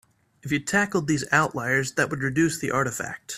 If you tackled these outliers that would reduce the artifacts.